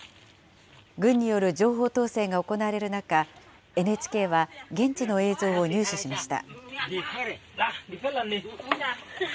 軍による情報統制が行われる中、ＮＨＫは、現地の映像を入手しました。